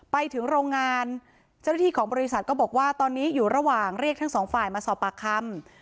ไปถึงโรงงานเจ้าหน้าที่ของบริษัทก็บอกว่าตอนนี้อยู่ระหว่างเรียกทั้งสองฝ่ายมาสอบปากคำ